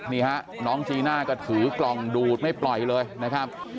นี่ฮะน้องจีน่าก็ถือกล่องดูดไม่ปล่อยเลยนะครับ